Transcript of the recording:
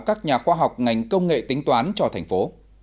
các nhà khoa học ngành công nghệ tính toán cho thành phố